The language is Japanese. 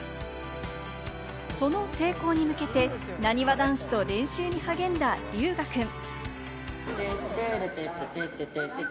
その成功に向けて、なにわ男子と練習に励んだ龍芽くん。